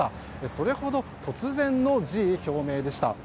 それほど突然の辞意表明でした。